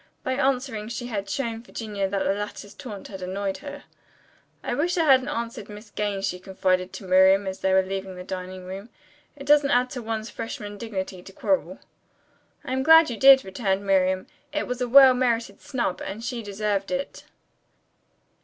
By answering she had shown Virginia that the latter's taunt had annoyed her. "I wish I hadn't answered Miss Gaines," she confided to Miriam as they were leaving the dining room. "It doesn't add to one's freshman dignity to quarrel." "I am glad you did," returned Miriam. "It was a well merited snub, and she deserved it."